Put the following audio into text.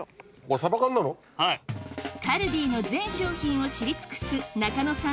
カルディの全商品を知り尽くす中野さん